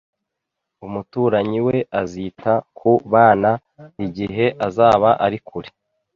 Umuturanyi we azita ku bana igihe azaba ari kure.